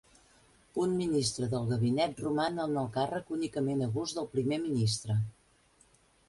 Un ministre del gabinet roman en el càrrec únicament a gust del primer ministre.